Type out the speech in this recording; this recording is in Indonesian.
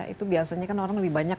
itu biasanya kan orang lebih banyak